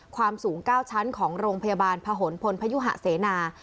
ความสูง๙ชั้นของโรงพยาบาลพะหนพลพยุหะเสนา